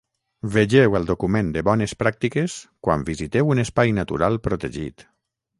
Vegeu el document de Bones pràctiques quan visiteu un espai natural protegit.